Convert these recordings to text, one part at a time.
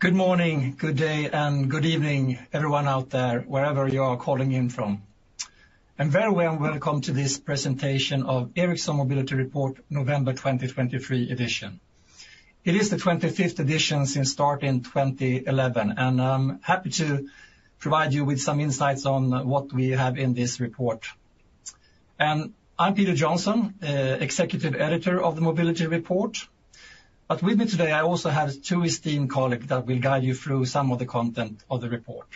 Good morning, good day, and good evening, everyone out there, wherever you are calling in from. A very warm welcome to this presentation of Ericsson Mobility Report, November 2023 edition. It is the 25th edition since starting in 2011, and I'm happy to provide you with some insights on what we have in this report. I'm Peter Jonsson, Executive Editor of the Mobility Report. But with me today, I also have two esteemed colleagues that will guide you through some of the content of the report.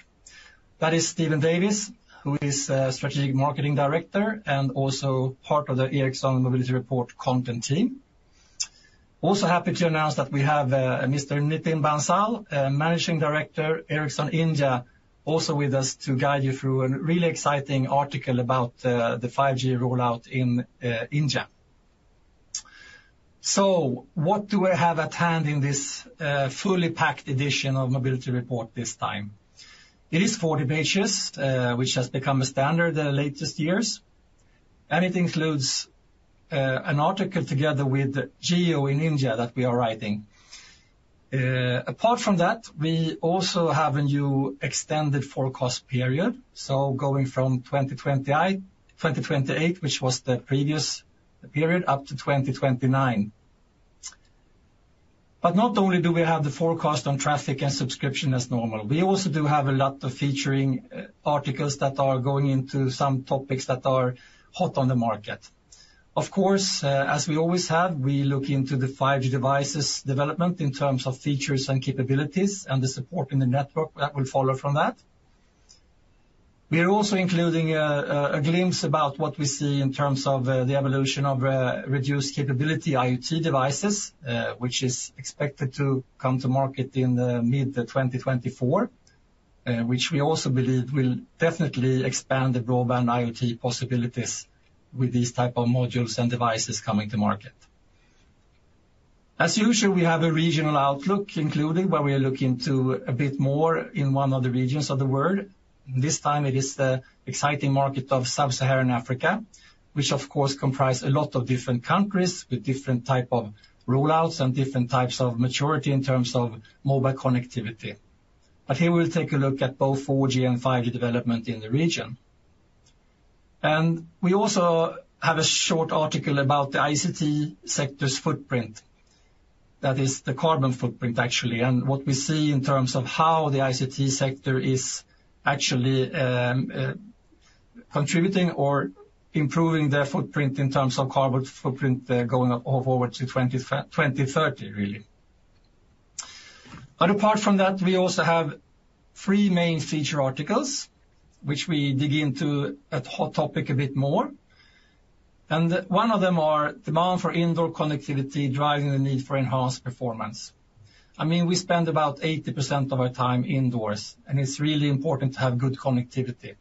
That is Steve Davis, who is Strategic Marketing Director, and also part of the Ericsson Mobility Report content team. Also happy to announce that we have Mr. Nitin Bansal, Managing Director, Ericsson India, also with us to guide you through a really exciting article about the 5G rollout in India. So what do we have at hand in this fully packed edition of Mobility Report this time? It is 40 pages, which has become a standard in the latest years, and it includes an article together with Jio in India that we are writing. Apart from that, we also have a new extended forecast period, so going from 2028, which was the previous period, up to 2029. But not only do we have the forecast on traffic and subscription as normal, we also do have a lot of featuring articles that are going into some topics that are hot on the market. Of course, as we always have, we look into the 5G devices development in terms of features and capabilities, and the support in the network that will follow from that. We are also including a glimpse about what we see in terms of the evolution of reduced capability IoT devices, which is expected to come to market in the mid-2024, which we also believe will definitely expand the broadband IoT possibilities with this type of modules and devices coming to market. As usual, we have a regional outlook included, where we look into a bit more in one of the regions of the world. This time it is the exciting market of Sub-Saharan Africa, which of course comprise a lot of different countries with different type of rollouts and different types of maturity in terms of mobile connectivity. But here we'll take a look at both 4G and 5G development in the region. And we also have a short article about the ICT sector's footprint. That is the carbon footprint, actually, and what we see in terms of how the ICT sector is actually, contributing or improving their footprint in terms of carbon footprint, going up over to 2030, really. But apart from that, we also have three main feature articles, which we dig into a hot topic a bit more. And one of them are demand for indoor connectivity, driving the need for enhanced performance. I mean, we spend about 80% of our time indoors, and it's really important to have good connectivity.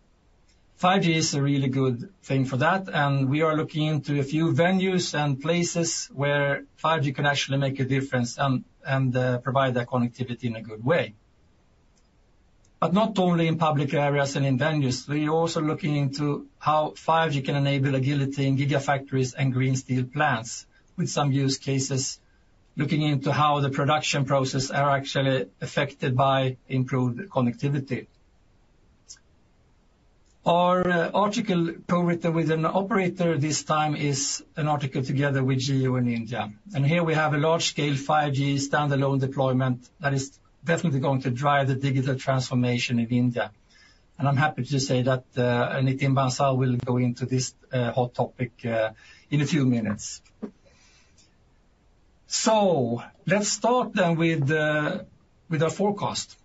5G is a really good thing for that, and we are looking into a few venues and places where 5G can actually make a difference and provide that connectivity in a good way. But not only in public areas and in venues, we are also looking into how 5G can enable agility in Gigafactories and green steel plants, with some use cases looking into how the production processes are actually affected by improved connectivity. Our article co-written with an operator this time is an article together with Jio in India. And here we have a large-scale 5G standalone deployment that is definitely going to drive the digital transformation in India. And I'm happy to say that, Nitin Bansal will go into this, hot topic, in a few minutes. So let's start then with the, with our forecast.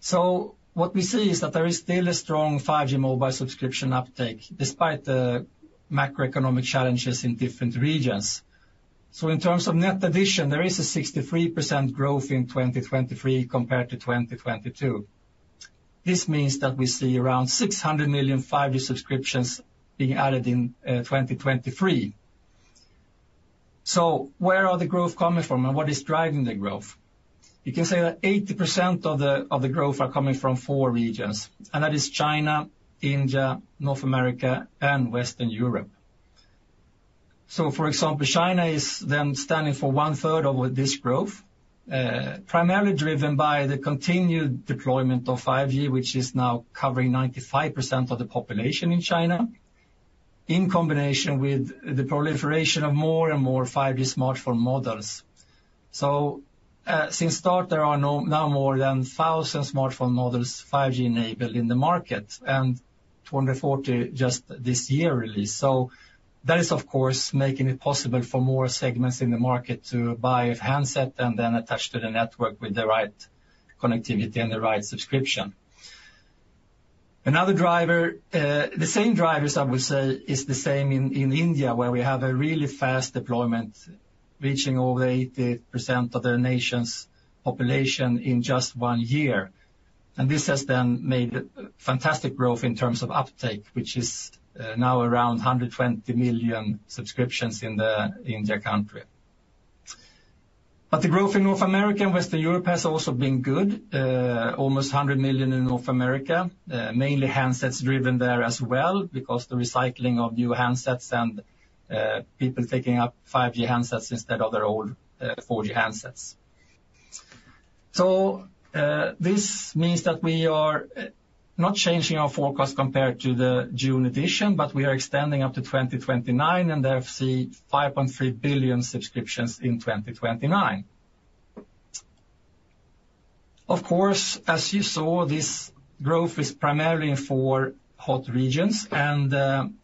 So what we see is that there is still a strong 5G mobile subscription uptake, despite the macroeconomic challenges in different regions. So in terms of net addition, there is a 63% growth in 2023 compared to 2022. This means that we see around 600 million 5G subscriptions being added in 2023. So where are the growth coming from, and what is driving the growth? You can say that 80% of the growth are coming from four regions, and that is China, India, North America, and Western Europe. So for example, China is then standing for one-third of this growth, primarily driven by the continued deployment of 5G, which is now covering 95% of the population in China, in combination with the proliferation of more and more 5G smartphone models. So since start, now more than 1,000 smartphone models, 5G enabled in the market, and 240 just this year, really. So that is, of course, making it possible for more segments in the market to buy a handset and then attach to the network with the right connectivity and the right subscription. Another driver, the same drivers, I would say, is the same in India, where we have a really fast deployment reaching over 80% of the nation's population in just one year. And this has then made fantastic growth in terms of uptake, which is now around 120 million subscriptions in the India country. But the growth in North America and Western Europe has also been good, almost 100 million in North America, mainly handsets driven there as well, because the recycling of new handsets and people taking up 5G handsets instead of their old 4G handsets. So, this means that we are not changing our forecast compared to the June edition, but we are extending up to 2029, and there I see 5.3 billion subscriptions in 2029. Of course, as you saw, this growth is primarily for hot regions and,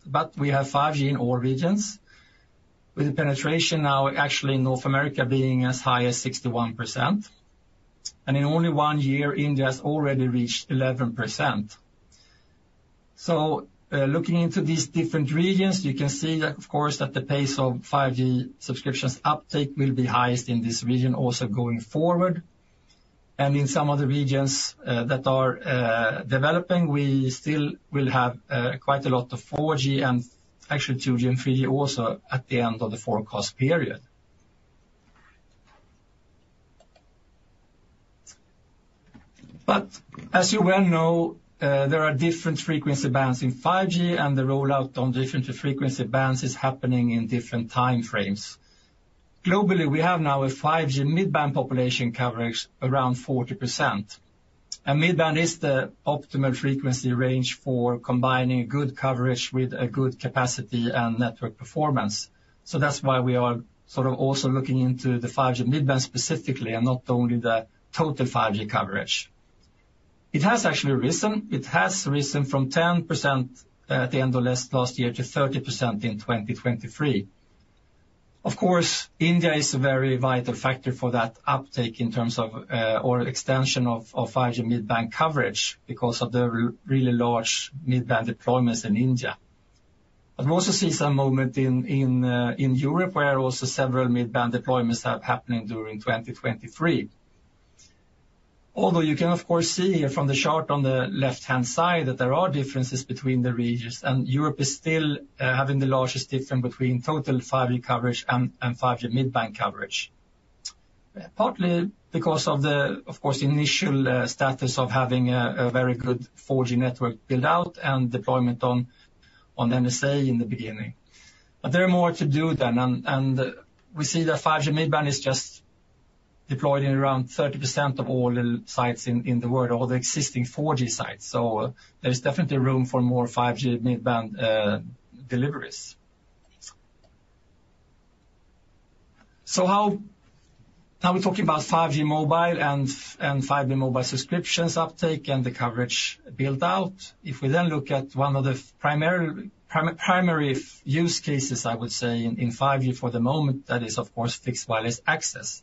but we have 5G in all regions, with the penetration now actually in North America being as high as 61%. And in only one year, India has already reached 11%. So, looking into these different regions, you can see that, of course, that the pace of 5G subscriptions uptake will be highest in this region, also going forward. And in some other regions that are developing, we still will have quite a lot of 4G and actually 2G and 3G also at the end of the forecast period. But as you well know, there are different frequency bands in 5G, and the rollout on different frequency bands is happening in different time frames. Globally, we have now a 5G mid-band population coverage around 40%. And mid-band is the optimal frequency range for combining good coverage with a good capacity and network performance. So that's why we are sort of also looking into the 5G mid-band specifically and not only the total 5G coverage. It has actually risen. It has risen from 10% at the end of last year to 30% in 2023. Of course, India is a very vital factor for that uptake in terms of or extension of 5G mid-band coverage because of the really large mid-band deployments in India. But we also see some movement in Europe, where also several mid-band deployments are happening during 2023. Although you can, of course, see here from the chart on the left-hand side, that there are differences between the regions, and Europe is still having the largest difference between total 5G coverage and 5G mid-band coverage. Partly because of the, of course, initial status of having a very good 4G network build-out and deployment on NSA in the beginning. But there are more to do then, and we see that 5G mid-band is just deployed in around 30% of all the sites in the world, all the existing 4G sites. So there's definitely room for more 5G mid-band deliveries. So how, now we're talking about 5G mobile and 5G mobile subscriptions uptake and the coverage build out. If we then look at one of the primary use cases, I would say, in 5G for the moment, that is, of course, fixed-wireless access.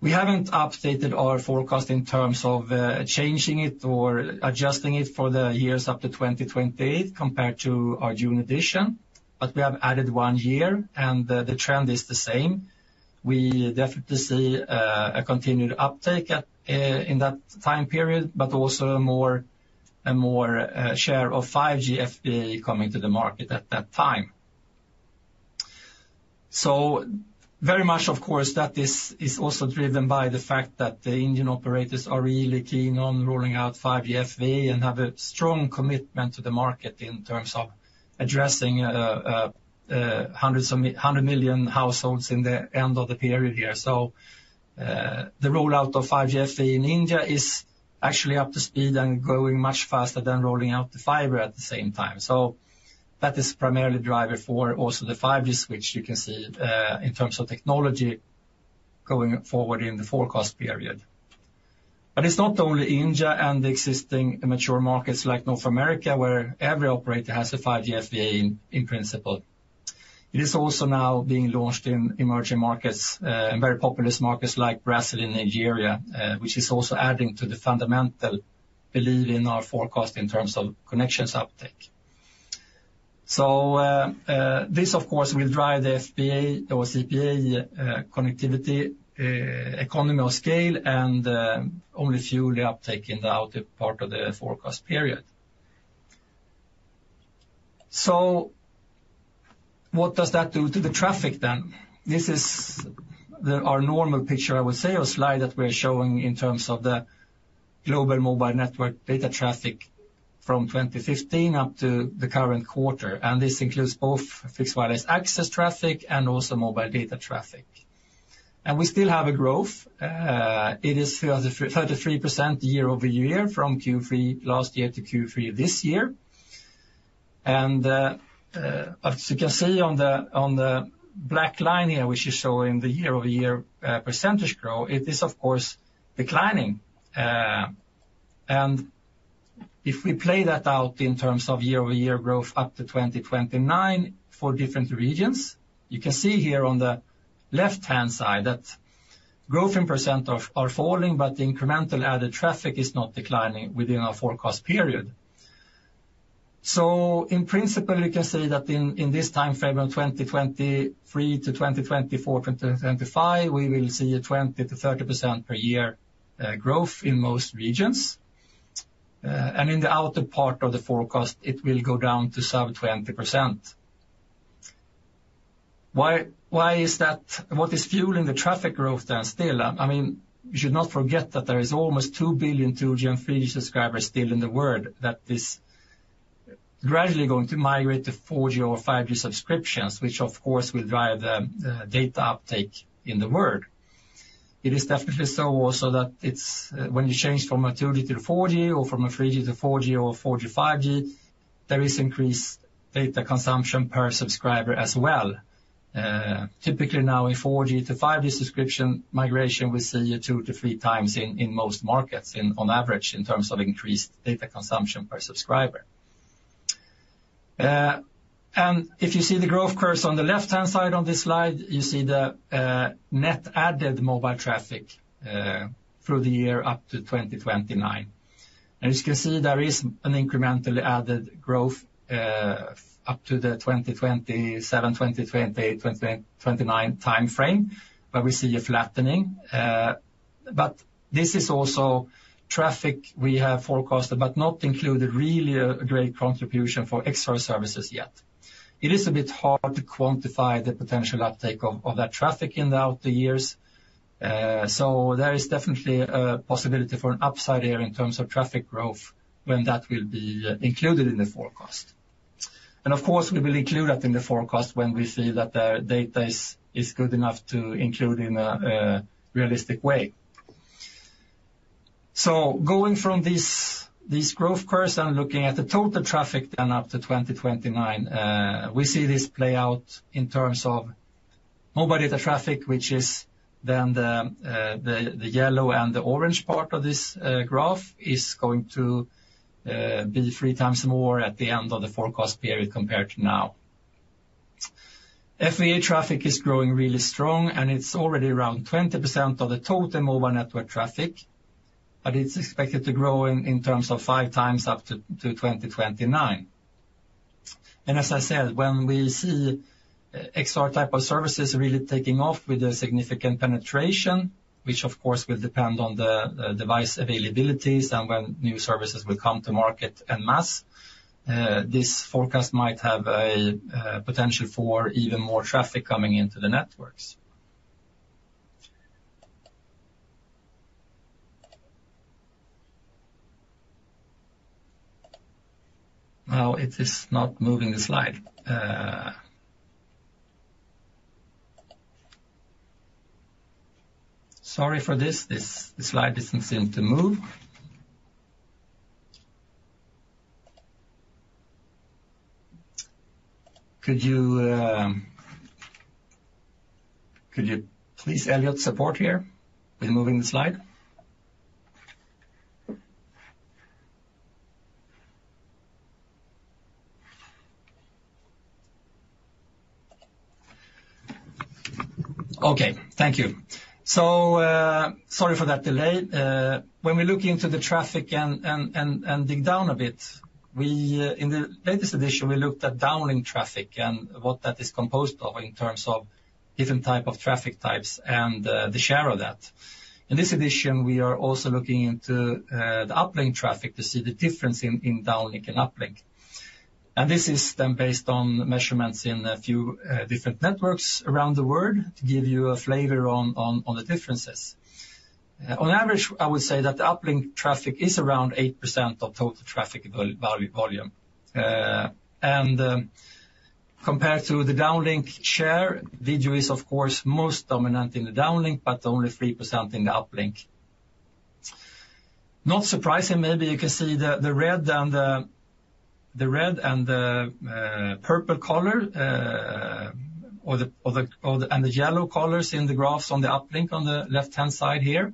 We haven't updated our forecast in terms of changing it or adjusting it for the years up to 2028 compared to our June edition, but we have added one year, and the trend is the same. We definitely see a continued uptake in that time period, but also a more share of 5G FWA coming to the market at that time. So very much, of course, that is also driven by the fact that the Indian operators are really keen on rolling out 5G FWA and have a strong commitment to the market in terms of addressing hundreds of millions of households in the end of the period here. So, the rollout of 5G FWA in India is actually up to speed and growing much faster than rolling out the fiber at the same time. So that is primarily driver for also the 5G switch you can see in terms of technology going forward in the forecast period. But it's not only India and the existing mature markets like North America, where every operator has a 5G FWA in principle. It is also now being launched in emerging markets and very populous markets like Brazil and Nigeria, which is also adding to the fundamental belief in our forecast in terms of connections uptake. So, this, of course, will drive the FWA or CPE connectivity economy of scale, and only fuel the uptake in the outer part of the forecast period. So what does that do to the traffic then? This is our normal picture, I would say, or slide that we're showing in terms of the global mobile network data traffic from 2015 up to the current quarter, and this includes both fixed-wireless access traffic and also mobile data traffic. We still have a growth. It is 33% year-over-year from Q3 last year to Q3 this year. And, as you can see on the black line here, which is showing the year-over-year percentage growth, it is, of course, declining. And if we play that out in terms of year-over-year growth up to 2029 for different regions, you can see here on the left-hand side that growth in percent are falling, but the incremental added traffic is not declining within our forecast period. So in principle, you can say that in this time frame of 2023 to 2024, 2025, we will see a 20%-30% per year growth in most regions. And in the outer part of the forecast, it will go down to sub-20%. Why is that? What is fueling the traffic growth then still? I mean, you should not forget that there is almost 2 billion 2G and 3G subscribers still in the world that is gradually going to migrate to 4G or 5G subscriptions, which, of course, will drive the data uptake in the world. It is definitely so also that it's when you change from a 2G to 4G, or from a 3G to 4G, or 4G, 5G, there is increased data consumption per subscriber as well. Typically now, in 4G to 5G subscription migration, we see 2x-3x in most markets, on average, in terms of increased data consumption per subscriber. And if you see the growth curve on the left-hand side on this slide, you see the net added mobile traffic through the year up to 2029. As you can see, there is an incrementally added growth up to the 2027-2029 timeframe, where we see a flattening. But this is also traffic we have forecasted, but not included really a great contribution for XR services yet. It is a bit hard to quantify the potential uptake of that traffic in the outer years. So there is definitely a possibility for an upside here in terms of traffic growth when that will be included in the forecast. Of course, we will include that in the forecast when we see that the data is good enough to include in a realistic way. So going from this growth course and looking at the total traffic then up to 2029, we see this play out in terms of mobile data traffic, which is then the the yellow and the orange part of this graph is going to be 3x more at the end of the forecast period compared to now. FWA traffic is growing really strong, and it's already around 20% of the total mobile network traffic, but it's expected to grow in terms of 5x up to 2029. And as I said, when we see XR type of services really taking off with a significant penetration, which, of course, will depend on the device availabilities and when new services will come to market en masse, this forecast might have a potential for even more traffic coming into the networks. Now, it is not moving the slide. Sorry for this. This slide doesn't seem to move. Could you please, Elliot, support here with moving the slide? Okay, thank you. So, sorry for that delay. When we look into the traffic and dig down a bit, in the latest edition, we looked at downlink traffic and what that is composed of in terms of different type of traffic types and the share of that. In this edition, we are also looking into the uplink traffic to see the difference in downlink and uplink. This is then based on measurements in a few different networks around the world to give you a flavor on the differences. On average, I would say that the uplink traffic is around 8% of total traffic volume. Compared to the downlink share, video is, of course, most dominant in the downlink, but only 3% in the uplink. Not surprising, maybe you can see the red and the purple color or the yellow colors in the graphs on the uplink on the left-hand side here.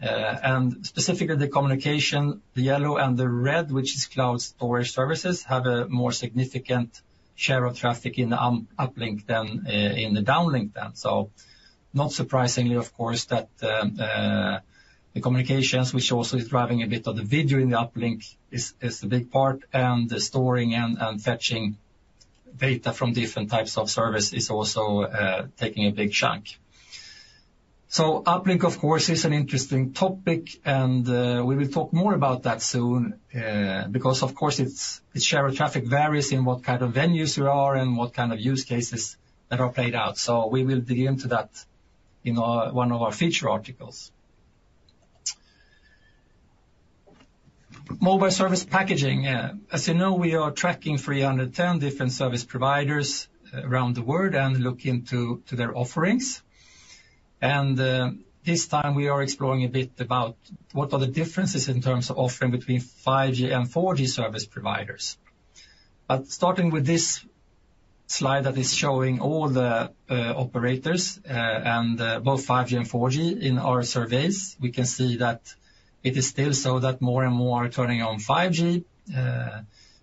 And specifically the communication, the yellow and the red, which is cloud storage services, have a more significant share of traffic in the uplink than in the downlink then. So not surprisingly, of course, that the communications, which also is driving a bit of the video in the uplink, is the big part, and the storing and fetching data from different types of services is also taking a big chunk. So uplink, of course, is an interesting topic, and we will talk more about that soon, because of course, its share of traffic varies in what kind of venues you are and what kind of use cases that are played out. So we will dig into that in one of our feature articles. Mobile service packaging. As you know, we are tracking 310 different service providers around the world and look into their offerings. This time, we are exploring a bit about what are the differences in terms of offering between 5G and 4G service providers. But starting with this slide that is showing all the operators and both 5G and 4G in our surveys, we can see that it is still so that more and more are turning on 5G.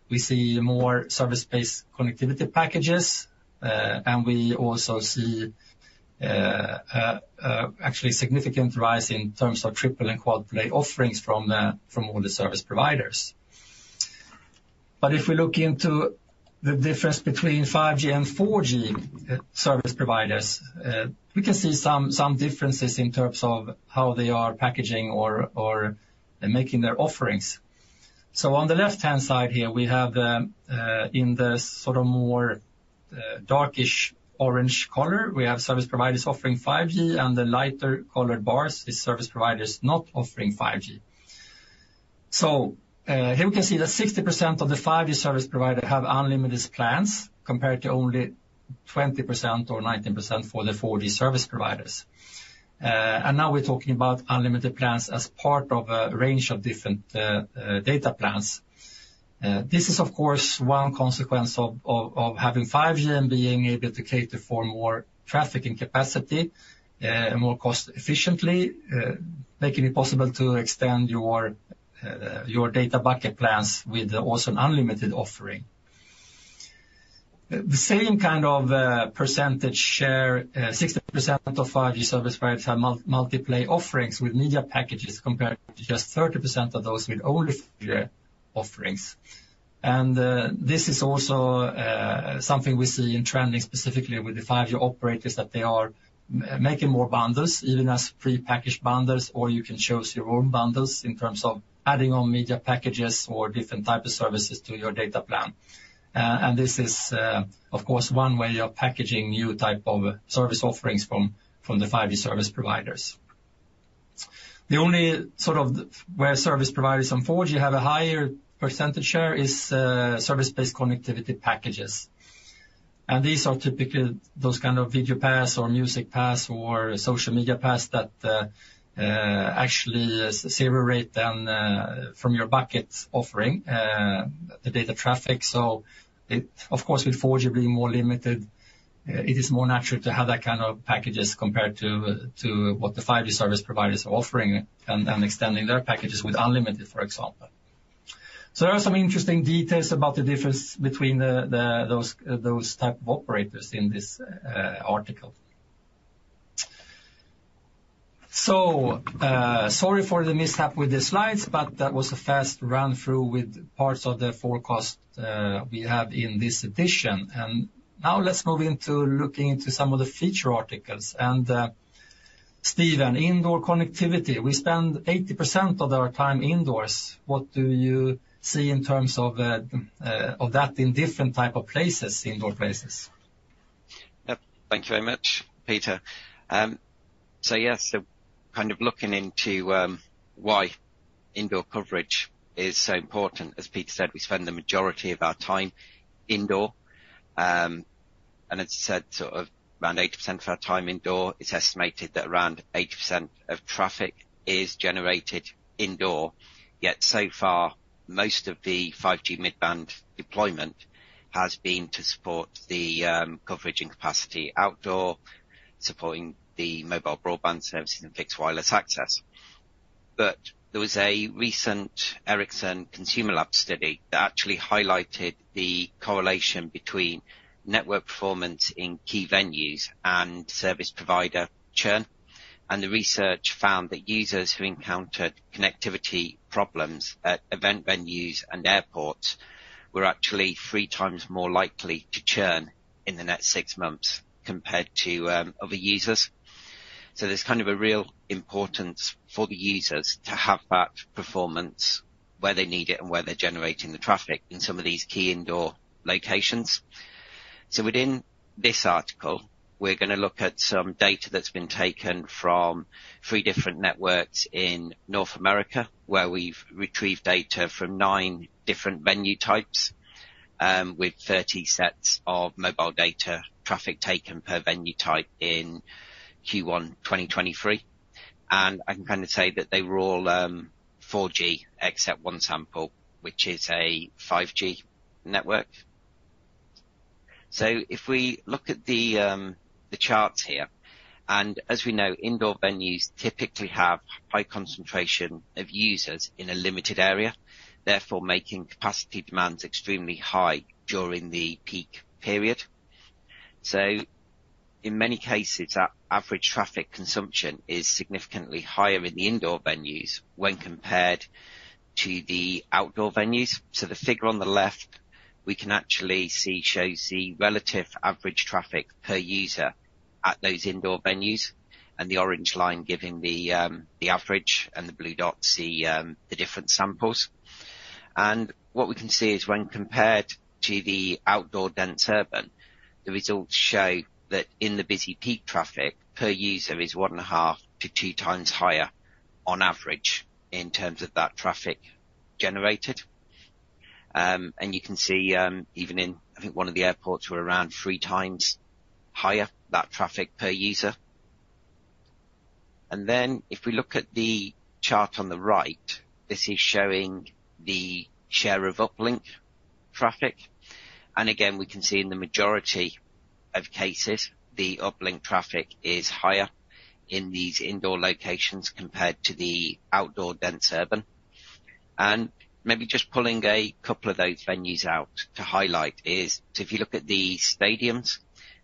We see more service-based connectivity packages, and we also see actually a significant rise in terms of triple and quad-play offerings from all the service providers. But if we look into the difference between 5G and 4G service providers, we can see some differences in terms of how they are packaging or making their offerings. So on the left-hand side here, we have the, in the sort of more the darkish orange color, we have service providers offering 5G, and the lighter colored bars is service providers not offering 5G. So, here we can see that 60% of the 5G service provider have unlimited plans, compared to only 20% or 19% for the 4G service providers. And now we're talking about unlimited plans as part of a range of different data plans. This is, of course, one consequence of having 5G and being able to cater for more traffic and capacity, more cost efficiently, making it possible to extend your your data bucket plans with also an unlimited offering. The same kind of percentage share, 60% of 5G service providers have multi-play offerings with media packages, compared to just 30% of those with older 3G offerings. And this is also something we see in trending, specifically with the 5G operators, that they are making more bundles, even as prepackaged bundles, or you can choose your own bundles in terms of adding on media packages or different type of services to your data plan. And this is, of course, one way of packaging new type of service offerings from the 5G service providers. The only sort of where service providers on 4G have a higher percentage share is service-based connectivity packages. These are typically those kind of video pass or music pass or social media pass that, actually, separate than from your bucket offering, the data traffic. So it. Of course, with 4G being more limited, it is more natural to have that kind of packages compared to what the 5G service providers are offering and extending their packages with unlimited, for example. So there are some interesting details about the difference between the those type of operators in this article. So, sorry for the mishap with the slides, but that was a fast run-through with parts of the forecast we have in this edition. Now let's move into looking into some of the feature articles, and, Steve, indoor connectivity. We spend 80% of our time indoors. What do you see in terms of, of that in different type of places, indoor places? Yep. Thank you very much, Peter. So yes, so kind of looking into why indoor coverage is so important. As Peter said, we spend the majority of our time indoor, and it's said, sort of around 80% of our time indoor. It's estimated that around 80% of traffic is generated indoor. Yet so far, most of the 5G mid-band deployment has been to support the coverage and capacity outdoor, supporting the mobile broadband services and fixed wireless access. But there was a recent Ericsson ConsumerLab study that actually highlighted the correlation between network performance in key venues and service provider churn, and the research found that users who encountered connectivity problems at event venues and airports were actually 3x more likely to churn in the next 6 months, compared to other users. So there's kind of a real importance for the users to have that performance where they need it and where they're generating the traffic in some of these key indoor locations. So within this article, we're gonna look at some data that's been taken from 3 different networks in North America, where we've retrieved data from 9 different venue types, with 30 sets of mobile data traffic taken per venue type in Q1 2023. And I can kinda say that they were all 4G except one sample, which is a 5G network. So if we look at the charts here, and as we know, indoor venues typically have high concentration of users in a limited area, therefore, making capacity demands extremely high during the peak period. So in many cases, average traffic consumption is significantly higher in the indoor venues when compared to the outdoor venues. So the figure on the left, we can actually see, shows the relative average traffic per user at those indoor venues, and the orange line giving the average, and the blue dots the different samples. And what we can see is when compared to the outdoor dense urban, the results show that in the busy peak traffic, per user is 1.5x-2x higher on average in terms of that traffic generated. And you can see, even in, I think one of the airports were around 3x higher, that traffic per user. And then, if we look at the chart on the right, this is showing the share of uplink traffic. Again, we can see in the majority of cases, the uplink traffic is higher in these indoor locations compared to the outdoor dense urban. And maybe just pulling a couple of those venues out to highlight is, so if you look at the stadiums,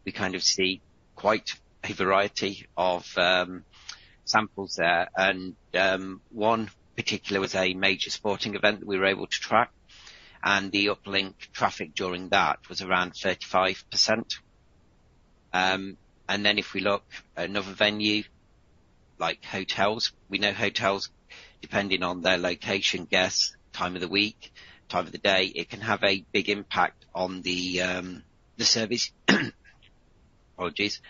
we kind of see quite a variety of samples there. And one particular was a major sporting event that we were able to track, and the uplink traffic during that was around 35%. And then if we look at another venue, like hotels, we know hotels, depending on their location, guests, time of the week, time of the day, it can have a big impact on the service, apologies,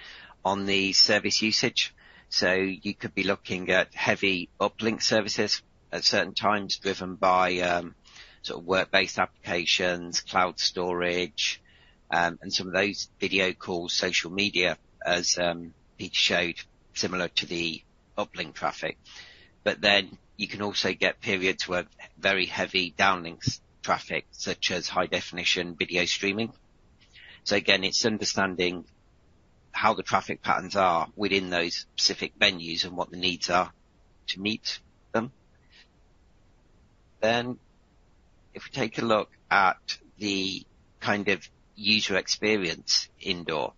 on the service usage. So you could be looking at heavy uplink services at certain times, driven by sort of work-based applications, cloud storage, and some of those video calls, social media, as Pete showed, similar to the uplink traffic. But then you can also get periods where very heavy downlink traffic, such as high definition video streaming. So again, it's understanding how the traffic patterns are within those specific venues and what the needs are to meet them. Then, if we take a look at the kind of user experience indoor.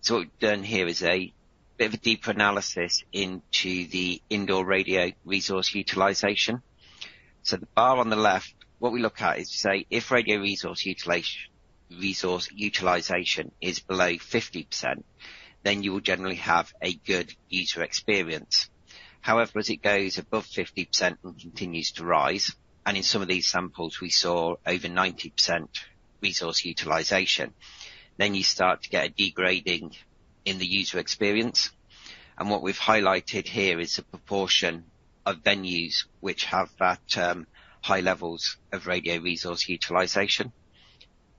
So what we've done here is a bit of a deeper analysis into the indoor radio resource utilization. So the bar on the left, what we look at is to say, if radio resource utilization is below 50%, then you will generally have a good user experience. However, as it goes above 50% and continues to rise, and in some of these samples, we saw over 90% resource utilization, then you start to get a degrading in the user experience. And what we've highlighted here is the proportion of venues which have that high levels of radio resource utilization.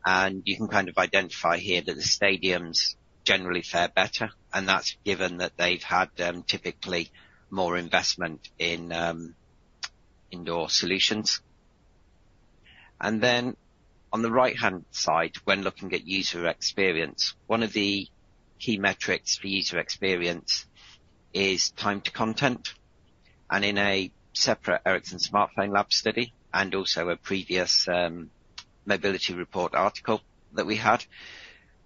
And you can kind of identify here that the stadiums generally fare better, and that's given that they've had typically more investment in indoor solutions. And then on the right-hand side, when looking at user experience, one of the key metrics for user experience is time to content, and in a separate Ericsson Smartphone Lab study, and also a previous mobility report article that we had,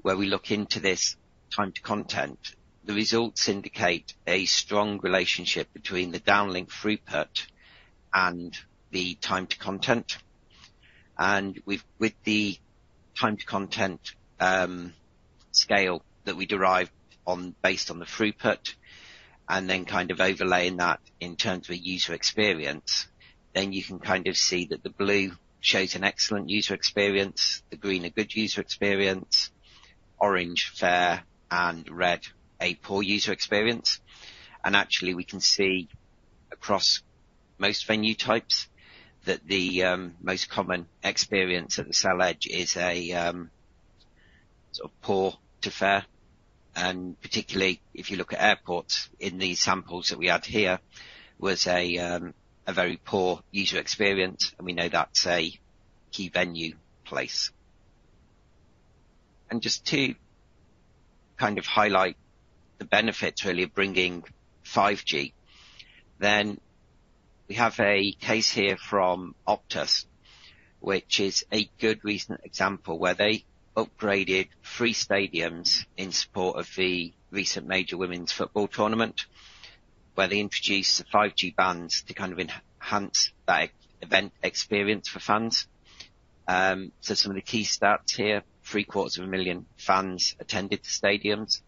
where we look into this time to content, the results indicate a strong relationship between the downlink throughput and the time to content. With the time to content scale that we derived based on the throughput, and then kind of overlaying that in terms of a user experience, then you can kind of see that the blue shows an excellent user experience, the green a good user experience, orange fair, and red a poor user experience. Actually, we can see across most venue types that the most common experience at the cell edge is a sort of poor to fair, and particularly if you look at airports in these samples that we had here, was a very poor user experience, and we know that's a key venue place. Just to kind of highlight the benefits, really, of bringing 5G, then we have a case here from Optus, which is a good recent example where they upgraded three stadiums in support of the recent major women's football tournament, where they introduced 5G bands to kind of enhance that event experience for fans. So some of the key stats here, 750,000 fans attended the stadiums,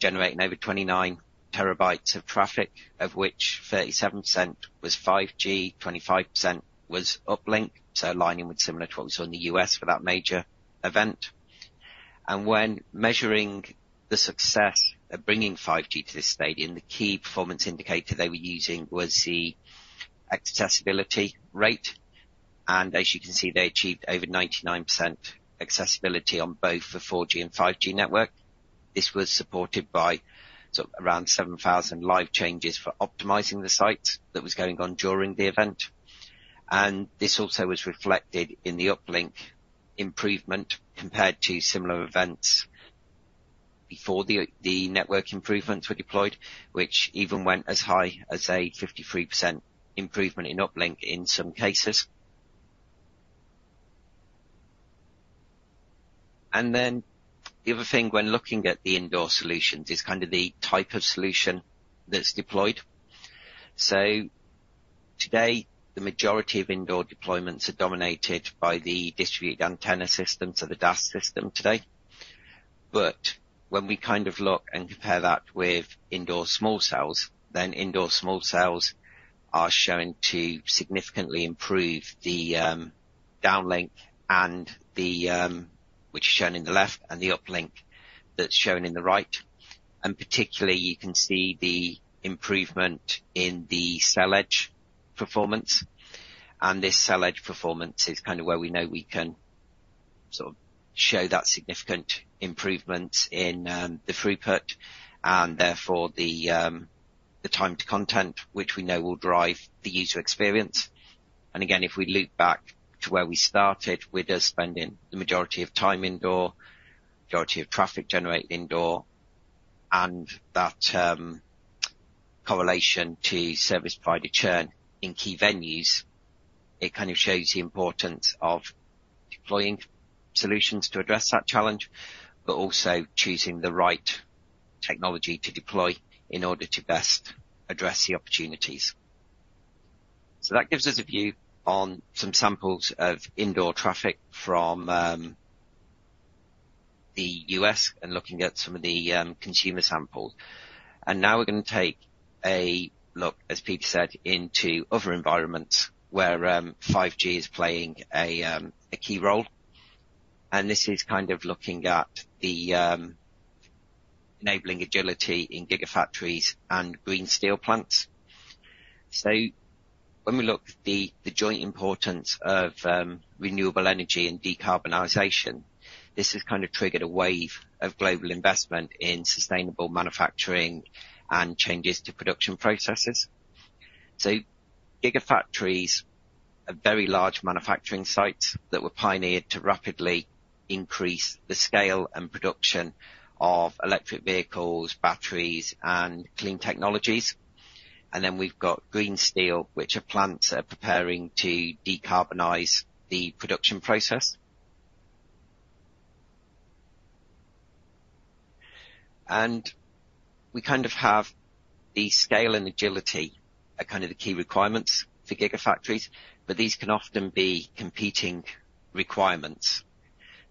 generating over 29 TB of traffic, of which 37% was 5G, 25% was uplink, so aligning with similar trends in the U.S. for that major event. When measuring the success of bringing 5G to this stadium, the key performance indicator they were using was the accessibility rate, and as you can see, they achieved over 99% accessibility on both the 4G and 5G network. This was supported by sort of around 7,000 live changes for optimizing the sites that was going on during the event. And this also was reflected in the uplink improvement compared to similar events before the network improvements were deployed, which even went as high as a 53% improvement in uplink in some cases. And then the other thing when looking at the indoor solutions is kind of the type of solution that's deployed. So today, the majority of indoor deployments are dominated by the distributed antenna system, so the DAS system today. But when we kind of look and compare that with indoor small cells, then indoor small cells are shown to significantly improve the downlink and the. Which is shown in the left, and the uplink, that's shown in the right. And particularly, you can see the improvement in the cell edge performance. This cell edge performance is kind of where we know we can sort of show that significant improvement in the throughput, and therefore, the time to content, which we know will drive the user experience. Again, if we loop back to where we started, with us spending the majority of time indoor, majority of traffic generated indoor, and that correlation to service provider churn in key venues, it kind of shows the importance of deploying solutions to address that challenge, but also choosing the right technology to deploy in order to best address the opportunities. That gives us a view on some samples of indoor traffic from the U.S. and looking at some of the consumer samples. And now we're gonna take a look, as Pete said, into other environments where 5G is playing a key role. This is kind of looking at the enabling agility in Gigafactories and green steel plants. When we look at the joint importance of renewable energy and decarbonization, this has kind of triggered a wave of global investment in sustainable manufacturing and changes to production processes. Gigafactories are very large manufacturing sites that were pioneered to rapidly increase the scale and production of electric vehicles, batteries, and clean technologies. Then we've got green steel, which are plants that are preparing to decarbonize the production process. We kind of have the scale and agility are kind of the key requirements for Gigafactories, but these can often be competing requirements.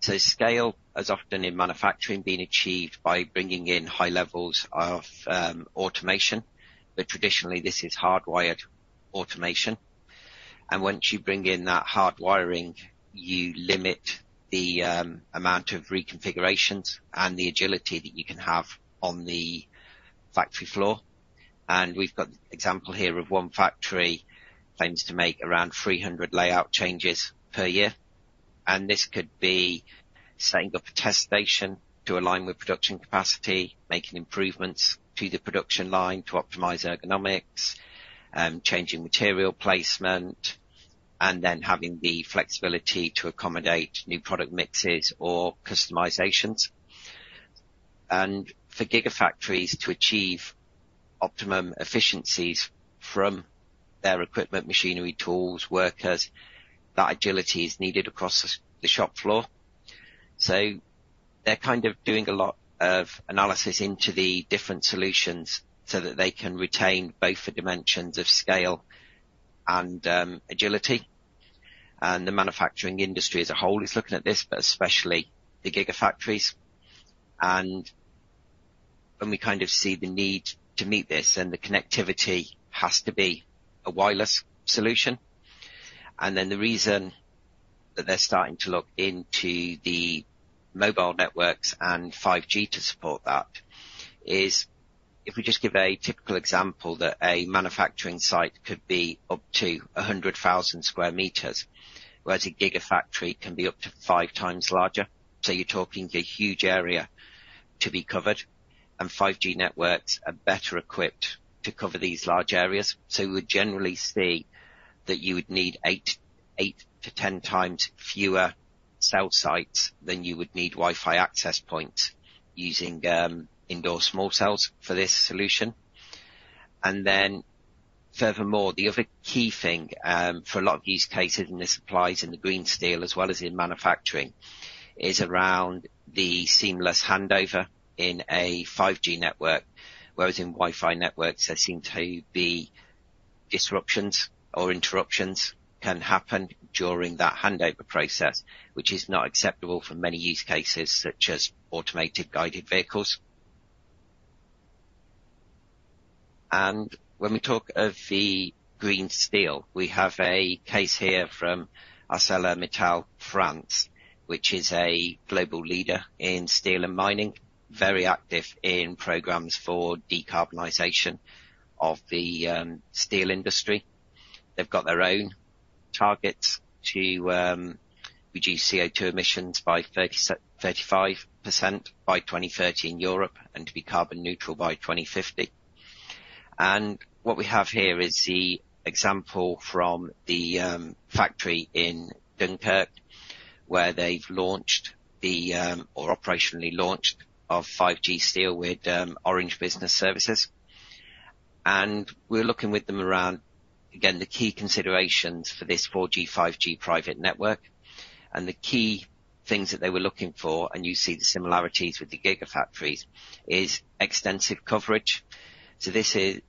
Scale, as often in manufacturing, being achieved by bringing in high levels of automation, but traditionally this is hardwired automation. Once you bring in that hard wiring, you limit the amount of reconfigurations and the agility that you can have on the factory floor. We've got example here of one factory claims to make around 300 layout changes per year, and this could be setting up a test station to align with production capacity, making improvements to the production line to optimize ergonomics, changing material placement, and then having the flexibility to accommodate new product mixes or customizations. For gigafactories to achieve optimum efficiencies from their equipment, machinery, tools, workers, that agility is needed across the shop floor. So they're kind of doing a lot of analysis into the different solutions so that they can retain both the dimensions of scale and agility. The manufacturing industry as a whole is looking at this, but especially the gigafactories. When we kind of see the need to meet this, then the connectivity has to be a wireless solution. Then the reason that they're starting to look into the mobile networks and 5G to support that is, if we just give a typical example, that a manufacturing site could be up to 100,000 square meters, whereas a Gigafactory can be up to 5x larger. You're talking a huge area to be covered, and 5G networks are better equipped to cover these large areas. We would generally see that you would need 8x-10x fewer cell sites than you would need Wi-Fi access points using indoor small cells for this solution. Then furthermore, the other key thing for a lot of use cases, and this applies in the green steel as well as in manufacturing, is around the seamless handover in a 5G network, whereas in Wi-Fi networks, there seem to be disruptions or interruptions can happen during that handover process, which is not acceptable for many use cases, such as automated guided vehicles. And when we talk of the green steel, we have a case here from ArcelorMittal, France, which is a global leader in steel and mining, very active in programs for decarbonization of the steel industry. They've got their own targets to reduce CO2 emissions by 35% by 2030 in Europe and to be carbon neutral by 2050. What we have here is the example from the factory in Dunkirk, where they've launched the, or operationally launched our 5G Steel with Orange Business Services. We're looking with them around, again, the key considerations for this 4G, 5G private network. The key things that they were looking for, and you see the similarities with the gigafactories, is extensive coverage. So this is.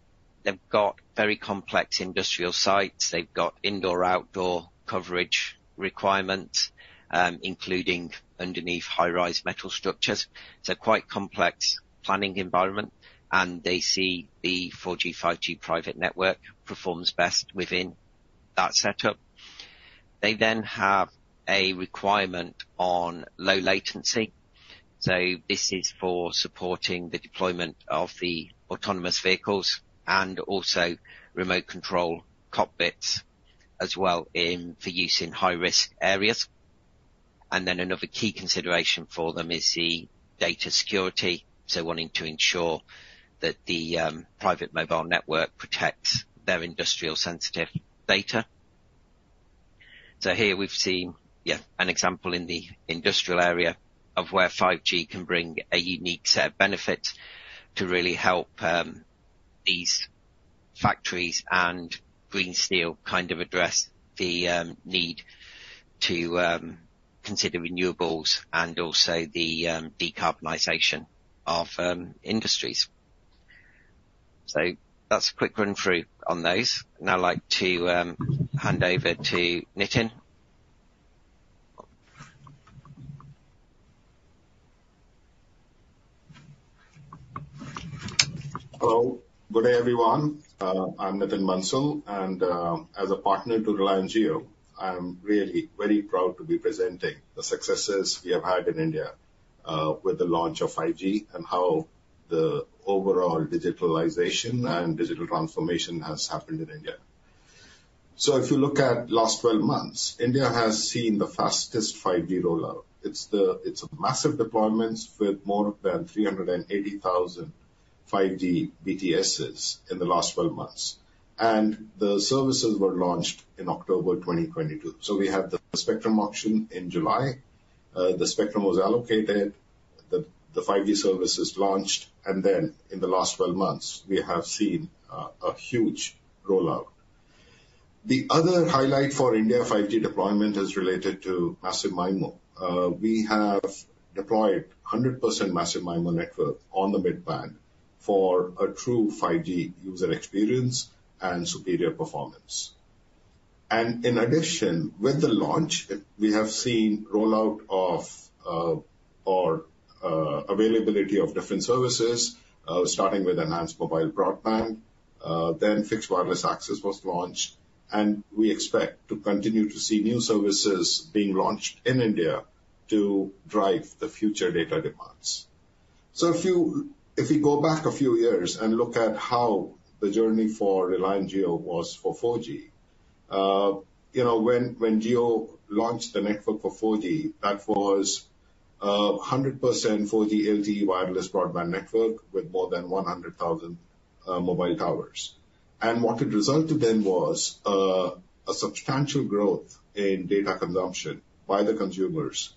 They've got very complex industrial sites. They've got indoor, outdoor coverage requirements, including underneath high-rise metal structures. It's a quite complex planning environment, and they see the 4G, 5G private network performs best within that setup. They then have a requirement on low latency, so this is for supporting the deployment of the autonomous vehicles and also remote control cockpits, as well in, for use in high-risk areas. Then another key consideration for them is the data security. So wanting to ensure that the private mobile network protects their industrial sensitive data. So here we've seen, yeah, an example in the industrial area of where 5G can bring a unique set of benefits to really help these factories and green steel kind of address the need to consider renewables and also the decarbonization of industries. So that's a quick run-through on those. Now I'd like to hand over to Nitin. Hello. Good day, everyone. I'm Nitin Bansal, and, as a partner to Reliance Jio, I'm really very proud to be presenting the successes we have had in India, with the launch of 5G and how the overall digitalization and digital transformation has happened in India. So if you look at last 12 months, India has seen the fastest 5G rollout. It's a massive deployments with more than 380,000 5G BTSes in the last 12 months, and the services were launched in October 2022. So we had the spectrum auction in July. The spectrum was allocated, the 5G services launched, and then in the last 12 months, we have seen a huge rollout. The other highlight for India 5G deployment is related to Massive MIMO. We have deployed 100% Massive MIMO network on the mid-band for a true 5G user experience and superior performance. And in addition, with the launch, we have seen rollout of, or, availability of different services, starting with enhanced mobile broadband, then fixed wireless access was launched, and we expect to continue to see new services being launched in India to drive the future data demands. So, if you, if we go back a few years and look at how the journey for Reliance Jio was for 4G, you know, when Jio launched the network for 4G, that was a 100% 4G LTE wireless broadband network with more than 100,000 mobile towers. And what it resulted in was a substantial growth in data consumption by the consumers,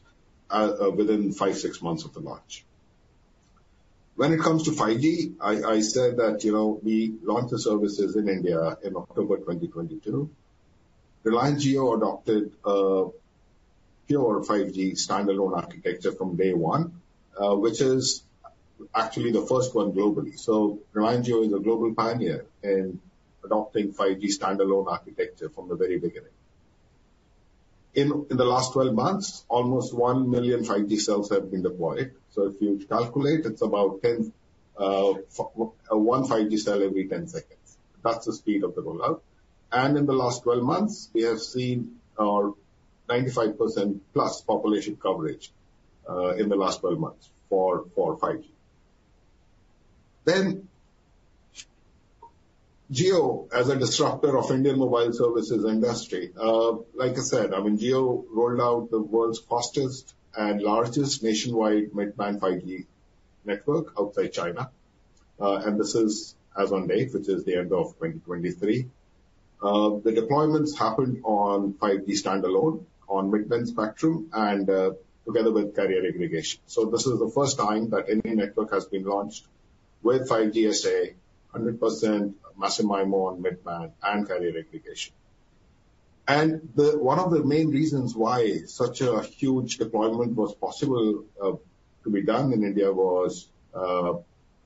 within 5-6 months of the launch. When it comes to 5G, I said that, you know, we launched the services in India in October 2022. Reliance Jio adopted a pure 5G standalone architecture from day one, which is actually the first one globally. So Reliance Jio is a global pioneer in adopting 5G standalone architecture from the very beginning. In the last 12 months, almost 1 million 5G cells have been deployed. So if you calculate, it's about 10 one 5G cell every 10 seconds. That's the speed of the rollout. And in the last 12 months, we have seen our 95% plus population coverage in the last 12 months for 5G. Then, Jio as a disruptor of Indian mobile services industry, like I said, I mean, Jio rolled out the world's fastest and largest nationwide mid-band 5G network outside China. This is as on date, which is the end of 2023. The deployments happened on 5G standalone, on mid-band spectrum and, together with carrier aggregation. So this is the first time that any network has been launched with 5G SA, 100% massive MIMO on mid-band and carrier aggregation. And the one of the main reasons why such a huge deployment was possible, to be done in India was,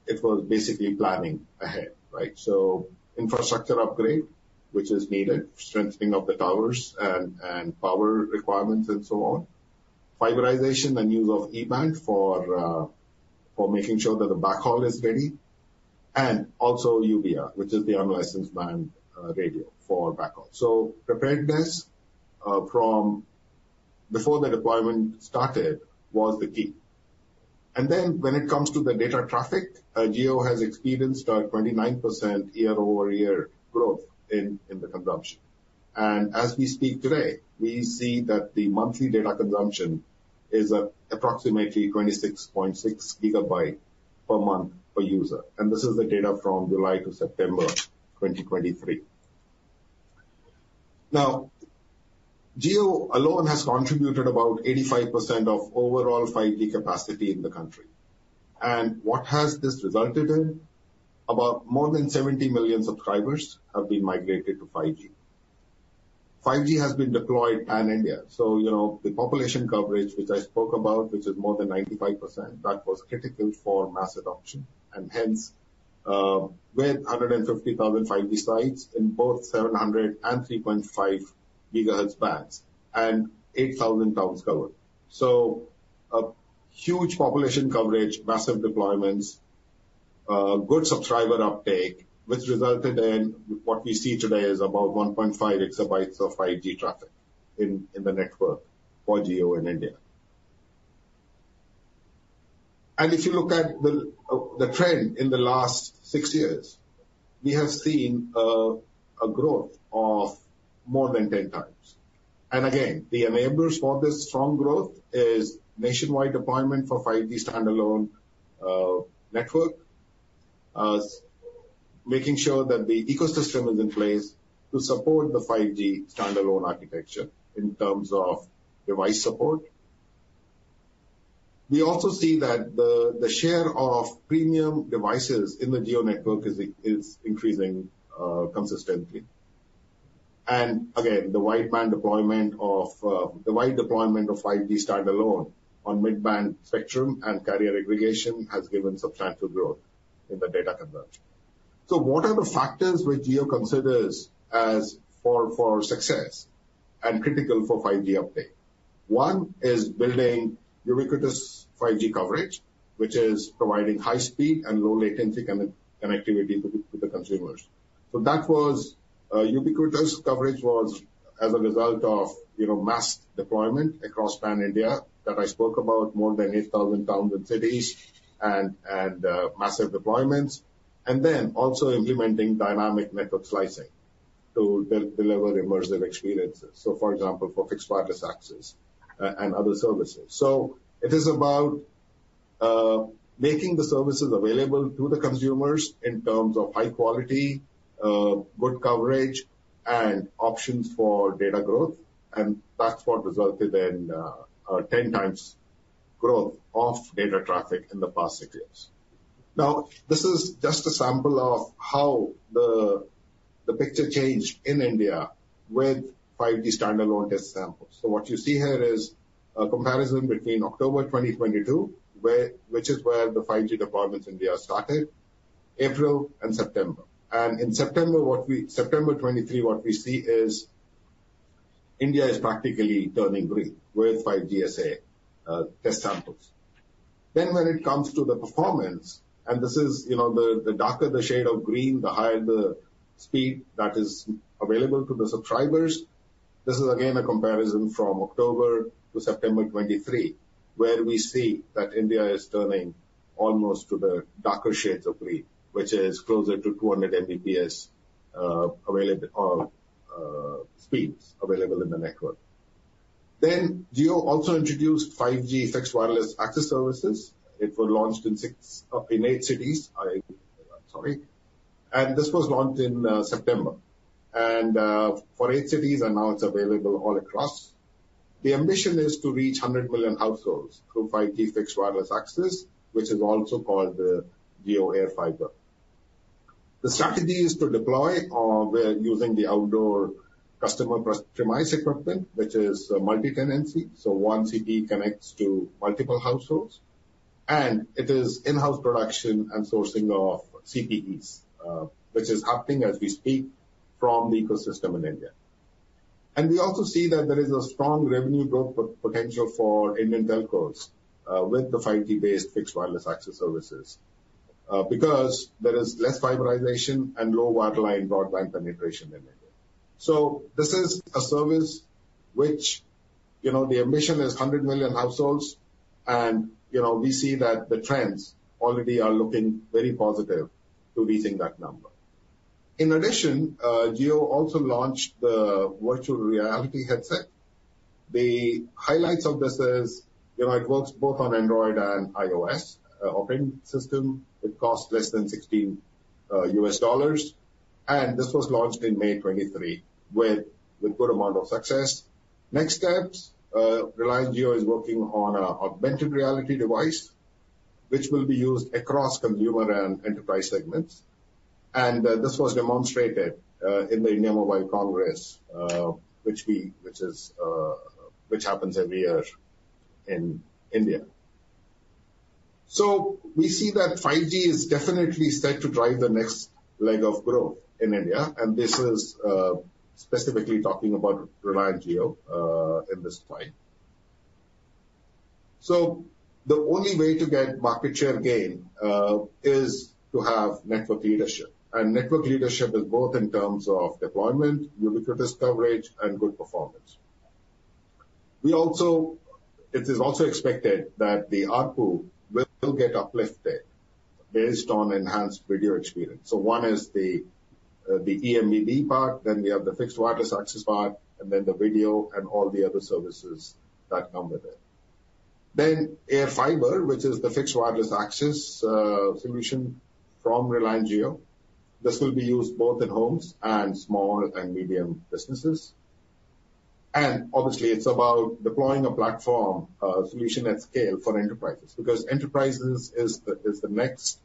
it was basically planning ahead, right? So infrastructure upgrade, which is needed, strengthening of the towers and power requirements and so on. Fiberization and use of E-band for making sure that the backhaul is ready, and also UBR, which is the unlicensed band radio for backhaul. So preparedness, from before the deployment started was the key. And then when it comes to the data traffic, Jio has experienced a 29% year-over-year growth in the consumption. And as we speak today, we see that the monthly data consumption is approximately 26.6 GB per month per user. And this is the data from July to September 2023. Now, Jio alone has contributed about 85% of overall 5G capacity in the country. And what has this resulted in? About more than 70 million subscribers have been migrated to 5G. 5G has been deployed pan-India, so you know, the population coverage, which I spoke about, which is more than 95%, that was critical for mass adoption. And hence, with 150,000 5G sites in both 703.5 GHz bands and 8,000 towers covered. So a huge population coverage, massive deployments, good subscriber uptake, which resulted in what we see today is about 1.5 exabytes of 5G traffic in the network for Jio in India. And if you look at the trend in the last six years, we have seen a growth of more than 10x. And again, the enablers for this strong growth is nationwide deployment for 5G standalone network. Making sure that the ecosystem is in place to support the 5G standalone architecture in terms of device support. We also see that the share of premium devices in the Jio network is increasing consistently. And again, the wide band deployment of the wide deployment of 5G standalone on mid-band spectrum and carrier aggregation has given substantial growth in the data conversion. So what are the factors which Jio considers as for success and critical for 5G uptake? One is building ubiquitous 5G coverage, which is providing high speed and low latency connectivity to the consumers. So that was ubiquitous coverage was as a result of, you know, mass deployment across pan India, that I spoke about more than 8,000 towns and cities and massive deployments, and then also implementing dynamic network slicing to deliver immersive experiences. So for example, for fixed wireless access and other services. So it is about making the services available to the consumers in terms of high quality good coverage, and options for data growth, and that's what resulted in 10x growth of data traffic in the past six years. Now, this is just a sample of how the picture changed in India with 5G standalone test samples. So what you see here is a comparison between October 2022, which is where the 5G deployments in India started, April and September. And in September, September 2023, what we see is India is practically turning green with 5G SA test samples. Then when it comes to the performance, and this is, you know, the darker the shade of green, the higher the speed that is available to the subscribers. This is again, a comparison from October to September 2023, where we see that India is turning almost to the darker shades of green, which is closer to 200 Mbps available or speeds available in the network. Then Jio also introduced 5G fixed wireless access services. It was launched in six. In eight cities, sorry, and this was launched in September, and for eight cities, and now it's available all across. The ambition is to reach 100 million households through 5G fixed wireless access, which is also called the JioAirFiber. The strategy is to deploy, we're using the outdoor customer premise equipment, which is multi-tenancy, so one CPE connects to multiple households. And it is in-house production and sourcing of CPEs, which is happening as we speak from the ecosystem in India. And we also see that there is a strong revenue growth potential for Indian telcos, with the 5G-based fixed wireless access services, because there is less fiberization and low wireline broadband penetration in India. So this is a service which, you know, the ambition is 100 million households, and, you know, we see that the trends already are looking very positive to reaching that number. In addition, Jio also launched the virtual reality headset. The highlights of this is, you know, it works both on Android and iOS operating system. It costs less than $16, and this was launched in May 2023 with good amount of success. Next steps, Reliance Jio is working on an augmented reality device, which will be used across consumer and enterprise segments. And this was demonstrated in the India Mobile Congress, which happens every year in India. So we see that 5G is definitely set to drive the next leg of growth in India, and this is specifically talking about Reliance Jio at this point. So the only way to get market share gain is to have network leadership, and network leadership is both in terms of deployment, ubiquitous coverage, and good performance. It is also expected that the ARPU will get uplifted based on enhanced video experience. So one is the eMBB part, then we have the fixed wireless access part, and then the video and all the other services that come with it. Then JioAirFiber, which is the fixed wireless access solution from Reliance Jio. This will be used both in homes and small and medium businesses. And obviously, it's about deploying a platform, solution at scale for enterprises, because enterprises is the, is the next,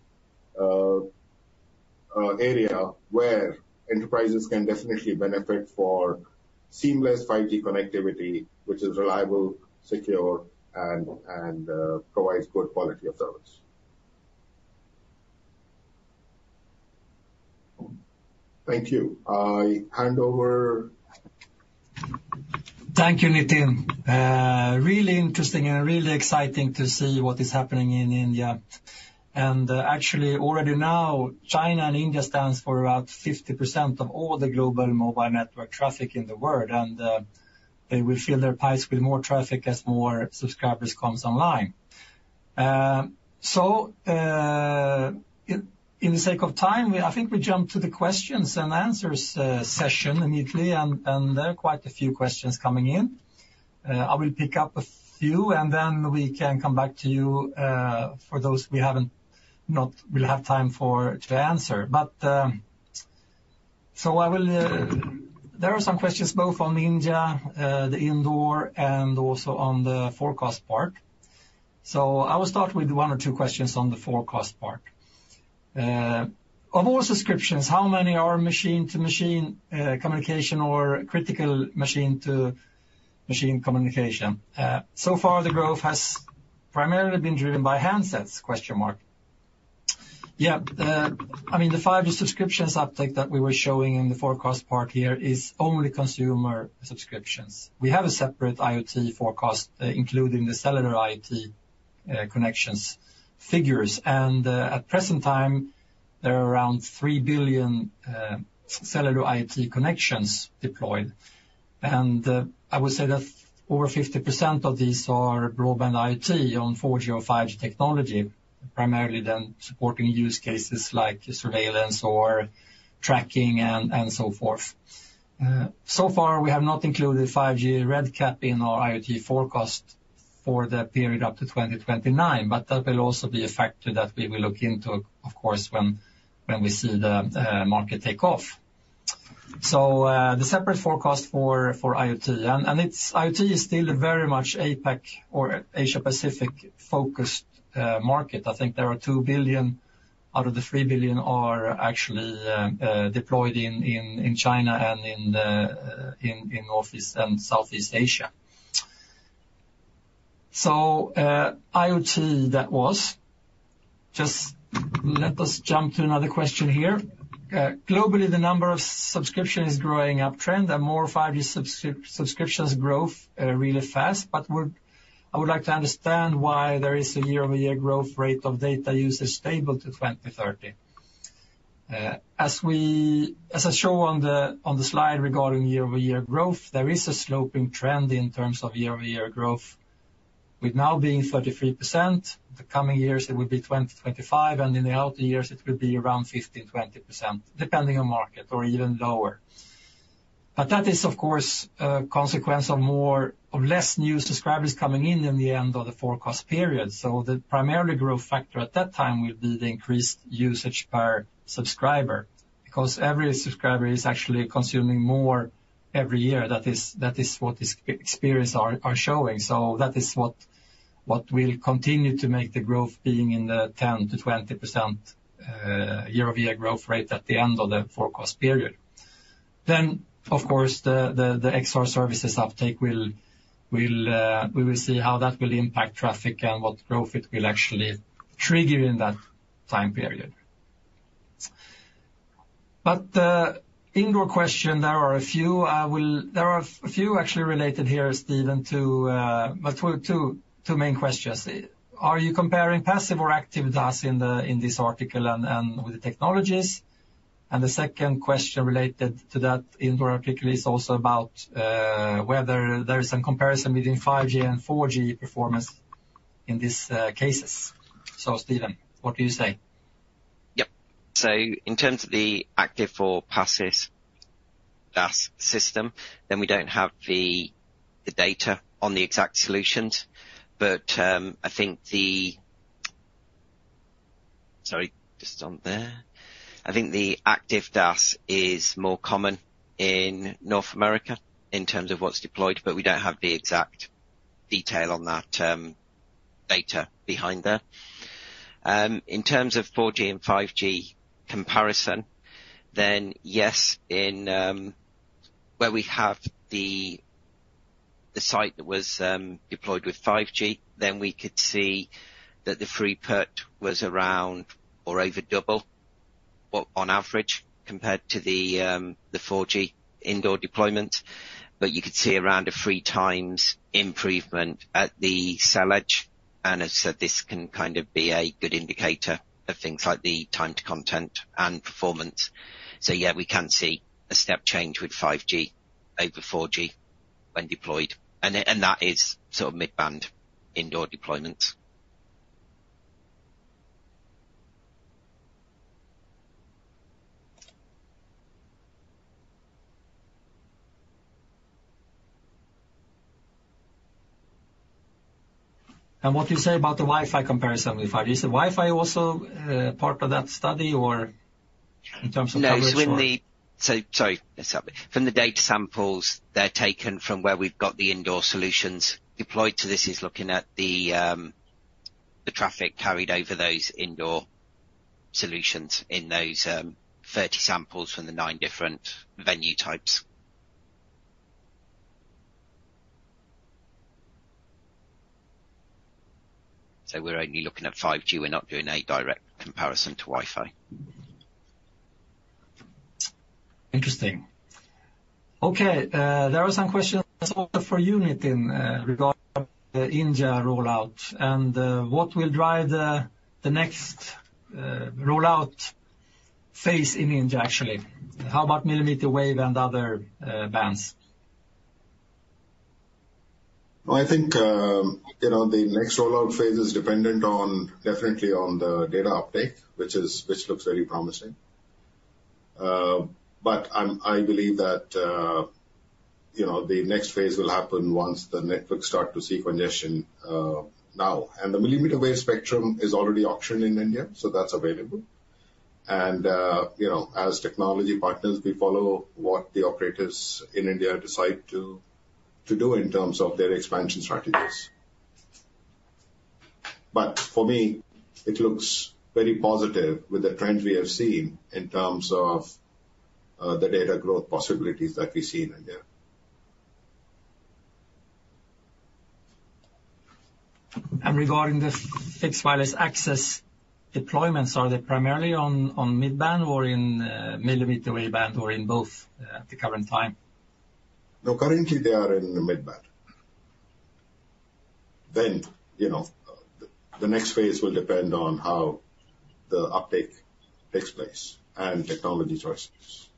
area where enterprises can definitely benefit for seamless 5G connectivity, which is reliable, secure, and, and, provides good quality of service. Thank you. I hand over. Thank you, Nitin. Really interesting and really exciting to see what is happening in India. And, actually, already now, China and India stands for about 50% of all the global mobile network traffic in the world, and they will fill their pipes with more traffic as more subscribers comes online. So, in the sake of time, I think we jump to the questions and answers session immediately, and there are quite a few questions coming in. I will pick up a few, and then we can come back to you for those not will have time for to answer. But, so I will, there are some questions both on India, the indoor, and also on the forecast part. So I will start with one or two questions on the forecast part. Of all subscriptions, how many are machine-to-machine communication or critical machine-to-machine communication? Yeah, I mean, the five-year subscriptions uptake that we were showing in the forecast part here is only consumer subscriptions. We have a separate IoT forecast, including the cellular IoT connections figures. And, at present time, there are around 3 billion cellular IoT connections deployed. And, I would say that over 50% of these are broadband IoT on 4G or 5G technology, primarily then supporting use cases like surveillance or tracking and so forth. So far, we have not included 5G RedCap in our IoT forecast for the period up to 2029, but that will also be a factor that we will look into, of course, when we see the market take off. So, the separate forecast for IoT, and it's IoT is still very much APAC or Asia-Pacific focused market. I think there are 2 billion out of the 3 billion actually deployed in China and in Northeast and Southeast Asia. So, IoT, that was. Just let us jump to another question here. Globally, the number of subscription is growing uptrend and more 5G subscriptions growth really fast. But I would like to understand why there is a year-over-year growth rate of data usage stable to 2030. As I show on the slide regarding year-over-year growth, there is a sloping trend in terms of year-over-year growth, with now being 33%, the coming years, it will be 20%-25%, and in the outer years, it will be around 15%-20%, depending on market or even lower. But that is, of course, a consequence of more, of less new subscribers coming in in the end of the forecast period. So the primary growth factor at that time will be the increased usage per subscriber, because every subscriber is actually consuming more every year. That is, that is what experience are, are showing. So that is what, what will continue to make the growth being in the 10%-20% year-over-year growth rate at the end of the forecast period. Then, of course, the XR services uptake will, we will see how that will impact traffic and what growth it will actually trigger in that time period. But the indoor question, there are a few actually related here, Steve, to but two main questions. Are you comparing passive or active DAS in this article and with the technologies? And the second question related to that indoor article is also about whether there is some comparison between 5G and 4G performance in these cases. So, Steve, what do you say? Yep. So in terms of the active or passive DAS system, then we don't have the data on the exact solutions. But I think the active DAS is more common in North America in terms of what's deployed, but we don't have the exact detail on that data behind there. In terms of 4G and 5G comparison, then yes, in where we have the site that was deployed with 5G, then we could see that the throughput was around or over double, on average, compared to the 4G indoor deployment. But you could see around a 3x improvement at the cell edge, and as I said, this can kind of be a good indicator of things like the time to content and performance. So yeah, we can see a step change with 5G over 4G when deployed, and that is sort of mid-band indoor deployments. What you say about the Wi-Fi comparison, if I use the Wi-Fi also, part of that study or in terms of coverage or? No. So, sorry, from the data samples, they're taken from where we've got the indoor solutions deployed. So this is looking at the traffic carried over those indoor solutions in those 30 samples from the nine different venue types. So we're only looking at 5G. We're not doing a direct comparison to Wi-Fi. Interesting. Okay, there are some questions also for Nitin, regarding the India rollout and, what will drive the next rollout phase in India, actually. How about millimeter wave and other bands? Well, I think, you know, the next rollout phase is dependent on, definitely on the data uptake, which is, which looks very promising. But I'm, I believe that, You know, the next phase will happen once the networks start to see congestion now. And the millimeter wave spectrum is already auctioned in India, so that's available. And you know, as technology partners, we follow what the operators in India decide to do in terms of their expansion strategies. But for me, it looks very positive with the trends we have seen in terms of the data growth possibilities that we see in India. Regarding the fixed wireless access deployments, are they primarily on mid-band or in millimeter waveband or in both at the current time? No, currently, they are in the mid-band. Then, you know, the next phase will depend on how the uptake takes place and technology choices.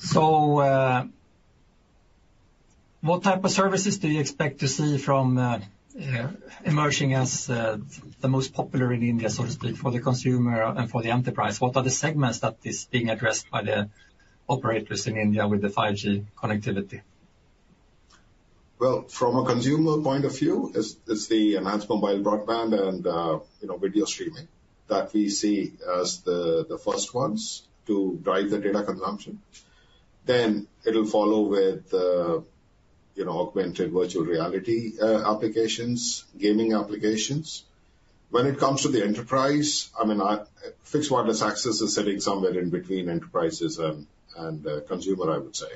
So, what type of services do you expect to see from, emerging as, the most popular in India, so to speak, for the consumer and for the enterprise? What are the segments that is being addressed by the operators in India with the 5G connectivity? Well, from a consumer point of view, it's the enhanced mobile broadband and, you know, video streaming that we see as the first ones to drive the data consumption. Then it'll follow with, you know, augmented virtual reality applications, gaming applications. When it comes to the enterprise, I mean, fixed wireless access is sitting somewhere in between enterprises and consumer, I would say.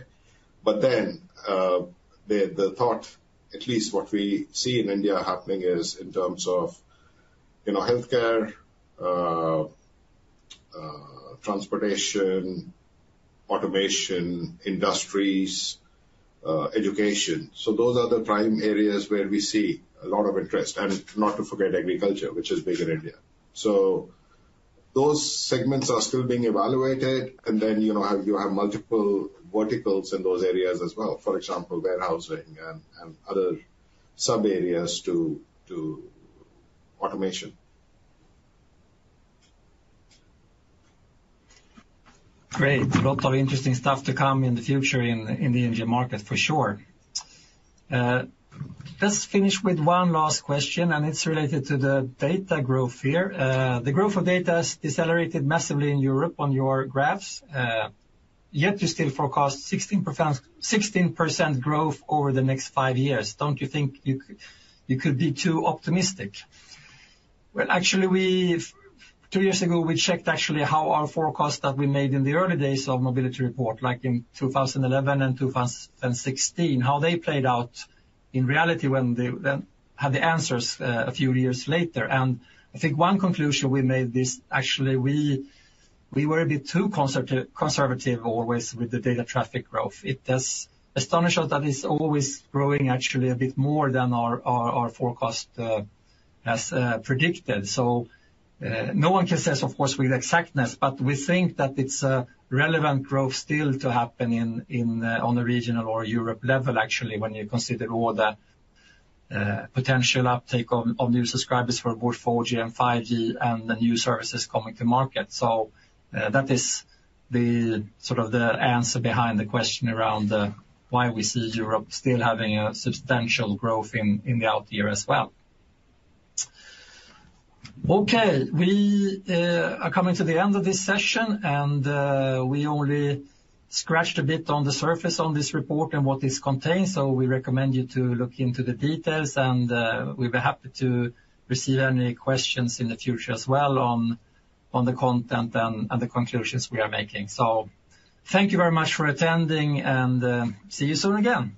But then, the thought, at least what we see in India happening, is in terms of, you know, healthcare, transportation, automation, industries, education. So those are the prime areas where we see a lot of interest, and not to forget agriculture, which is big in India. So those segments are still being evaluated, and then, you know, you have multiple verticals in those areas as well, for example, warehousing and other sub-areas to automation. Great. Lots of interesting stuff to come in the future in the Indian market, for sure. Let's finish with one last question, and it's related to the data growth here. The growth of data has decelerated massively in Europe on your graphs, yet you still forecast 16%, 16% growth over the next five years. Don't you think you could be too optimistic? Well, actually, we, two years ago, we checked actually how our forecast that we made in the early days of Mobility Report, like in 2011 and 2016, how they played out in reality when they had the answers, a few years later. And I think one conclusion we made this, actually, we were a bit too conservative always with the data traffic growth. It does astonish us that it's always growing actually a bit more than our forecast has predicted. So, no one can say, of course, with exactness, but we think that it's a relevant growth still to happen in on a regional or Europe level, actually, when you consider all the potential uptake of new subscribers for both 4G and 5G and the new services coming to market. So, that is the sort of answer behind the question around why we see Europe still having a substantial growth in the out year as well. Okay. We are coming to the end of this session, and we only scratched a bit on the surface on this report and what this contains, so we recommend you to look into the details, and we'll be happy to receive any questions in the future as well on the content and the conclusions we are making. So, thank you very much for attending and see you soon again!